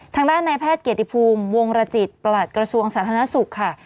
ทางด้านในแพทย์เกียรติภูมิวงรจิตประหลัดกระทรวงสาธารณสุขค่ะ